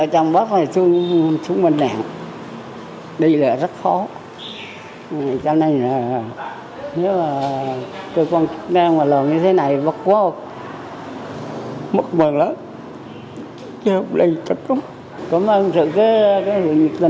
cảm ơn các bạn đã theo dõi